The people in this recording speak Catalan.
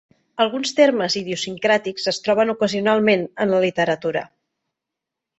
Alguns termes idiosincràtics es troben ocasionalment en la literatura.